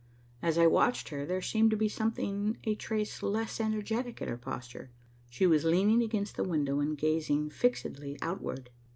As I watched her, there seemed to be something a trace less energetic in her posture. She was leaning against the window and gazing fixedly outward.